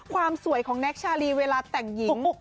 ความสวยของแน็กชาลีเวลาแต่งหญิง